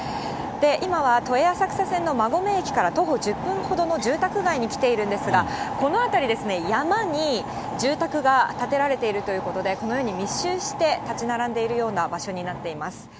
今は都営浅草線の馬込駅から徒歩１０分ほどの住宅街に来ているんですが、この辺りですね、山に住宅が建てられているということで、このように密集して建ち並んでいるような場所になっています。